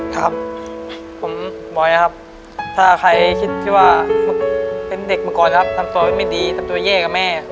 ครับผมบ่อยครับถ้าใครคิดที่ว่าเป็นเด็กมาก่อนครับทำตัวไว้ไม่ดีทำตัวแย่กับแม่